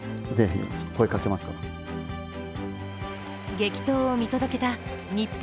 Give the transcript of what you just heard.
激闘を見届けた日本。